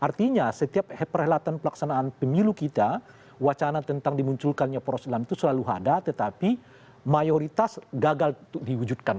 artinya setiap perhelatan pelaksanaan pemilu kita wacana tentang dimunculkannya poros islam itu selalu ada tetapi mayoritas gagal diwujudkan